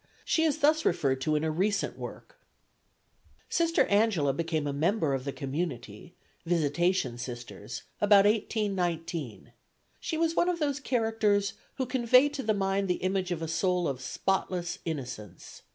She is thus referred to in a recent work: "Sister Angela became a member of the Community (Visitation Sisters) about 1819. She was one of those characters who convey to the mind the image of a soul of spotless innocence.